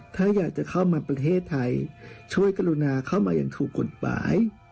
ถ้าอยากจะเข้ามาประเทศไทยช่วยกรุณาเข้ามาอย่างถูกกฎหมาย